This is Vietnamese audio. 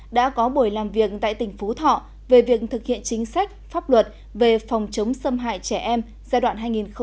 đã có buổi làm việc tại tỉnh phú thọ về việc thực hiện chính sách pháp luật về phòng chống xâm hại trẻ em giai đoạn hai nghìn một mươi tám hai nghìn một mươi tám